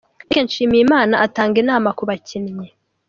Eric Nshimiyimana atanga inama ku bakinnyi.